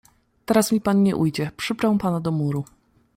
"Teraz mi pan nie ujdzie, przyprę pana do muru."